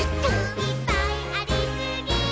「いっぱいありすぎー！！」